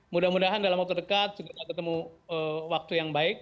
semoga dalam waktu dekat kita ketemu waktu yang baik